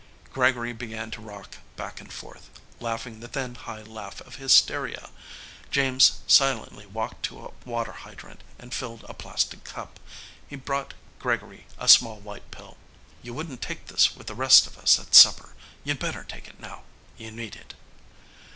Gregory began to rock back and forth, laughing the thin high laugh of hysteria. James silently walked to a water hydrant and filled a plastic cup. He brought Gregory a small white pill. "You wouldn't take this with the rest of us at supper. You'd better take it now. You need it."